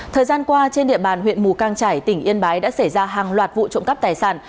thời gian qua trên địa bàn huyện mù cang trải tỉnh yên bái đã xảy ra hàng loạt vụ trộm cắp tài sản